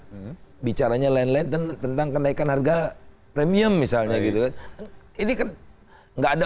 pemerintah bicaranya lain lain tentang kenaikan harga premium misalnya gitu ini ke enggak ada